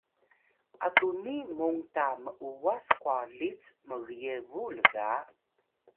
atuni mung ta m’uwas kwalit mgyebu lga